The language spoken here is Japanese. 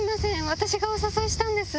私がお誘いしたんです。